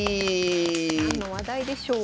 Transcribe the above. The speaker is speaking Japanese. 何の話題でしょうか。